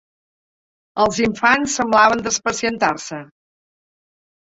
...els infants semblaven despacientar-se